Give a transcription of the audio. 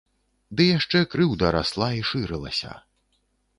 Ды яшчэ крыўда расла і шырылася.